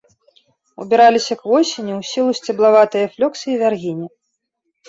Убіраліся к восені ў сілу сцеблаватыя флёксы і вяргіні.